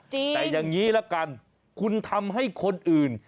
แต่อย่างนี้ละกันคุณทำให้คนอื่น